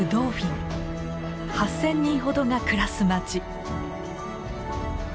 ８，０００人ほどが暮らす町。